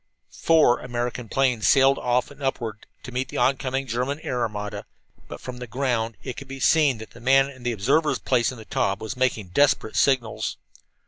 Four American planes sailed off and upward to meet the oncoming German air armada. But from the ground it could be seen that the man in the observer's place in the Taube was making desperate signals.